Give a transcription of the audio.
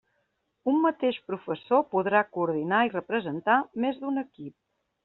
Un mateix professor podrà coordinar i representar més d'un equip.